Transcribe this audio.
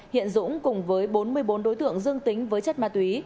hiện dũng cùng với bốn mươi bốn đối tượng dương tính với chất ma túy